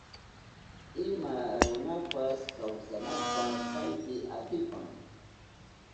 Ima runapas kawsanata kaypi atipan.